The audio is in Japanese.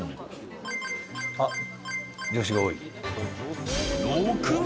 あっ女子が多い。